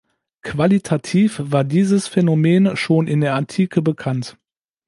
Qualitativ war dieses Phänomen schon in der Antike bekannt.